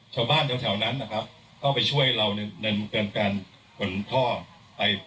ชาวบ้านแถวแถวนั้นนะครับก็ไปช่วยเราในมุมเกินการขนท่อไป